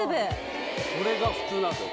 これが普通なんだよ